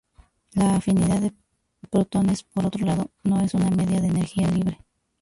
La afinidad de protones, por otro lado, no es una medida de energía libre.